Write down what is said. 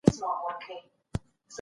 ونه بخښي.